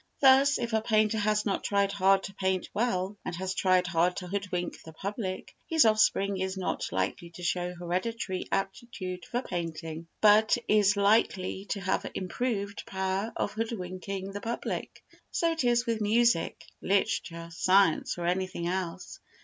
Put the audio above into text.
Thus, if a painter has not tried hard to paint well and has tried hard to hoodwink the public, his offspring is not likely to show hereditary aptitude for painting, but is likely to have an improved power of hoodwinking the public. So it is with music, literature, science or anything else.